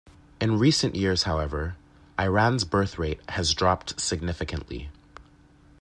In recent years, however, Iran's birth rate has dropped significantly.